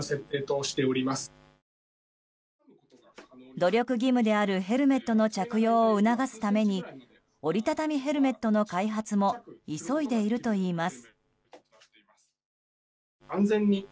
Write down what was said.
努力義務であるヘルメットの着用を促すために折り畳みヘルメットの開発も急いでいるといいます。